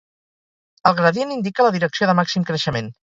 El gradient indica la direcció de màxim creixement.